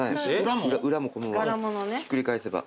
裏もひっくり返せば。